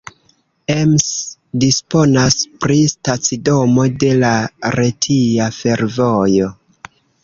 Ems disponas pri stacidomo de la Retia Fervojo.